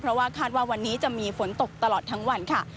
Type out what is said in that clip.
เพราะว่าคาดว่าวันนี้จะมีฝนตกตลอดทั้งวันค่ะ